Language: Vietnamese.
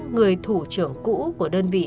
người thủ trưởng cũ của đơn vị